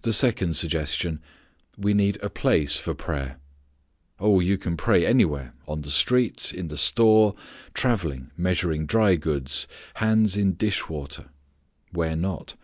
The second suggestion: we need a place for prayer. Oh! you can pray anywhere, on the street, in the store, travelling, measuring dry goods, hands in dishwater, where not.